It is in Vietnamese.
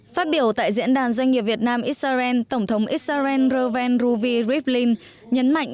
phát biểu tại diễn đàn doanh nghiệp việt nam israel tổng thống israel reven ruvi rivlin nhấn mạnh